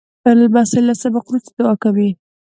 لمسی له سبق وروسته دعا کوي.